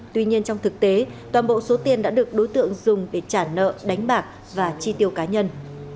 tuy nhiên trong thực tế toàn bộ số tiền đã được đối tượng dùng để trả nợ đánh bạc và chi tiêu cá nhân